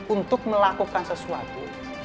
untuk melakukan sesuatu